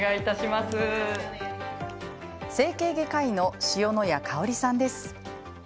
整形外科医の塩之谷香さんです。